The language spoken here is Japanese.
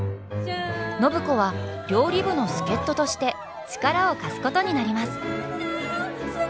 暢子は料理部の助っ人として力を貸すことになります！